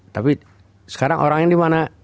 tapi sekarang orangnya dimana